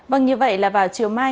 vâng như vậy là vào chiều mai